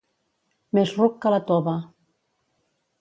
Més ruc que la tova.